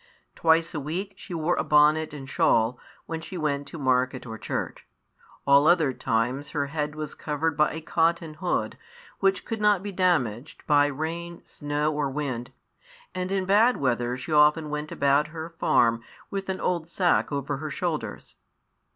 Twice a week she wore a bonnet and shawl, when she went to market or church. All other times her head was covered by a cotton hood, which could not be damaged by rain, snow, or wind; and in bad weather she often went about her farm with an old sack over her shoulders.